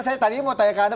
saya tadi mau tanya ke anda